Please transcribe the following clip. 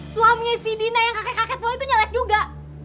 suami si dina yang kakek kakek tua itu nyelek juga